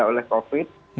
terus sudah ada covid